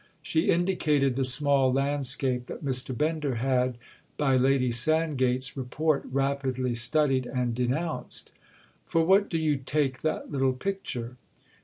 She indicated the small landscape that Mr. Bender had, by Lady Sandgate's report, rapidly studied and denounced. "For what do you take that little picture?"